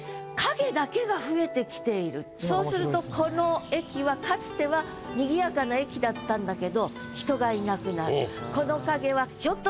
そうするとこの駅はかつては賑やかな駅だったんだけど人がいなくなる。